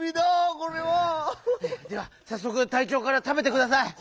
これは！ではさっそくたいちょうからたべてください！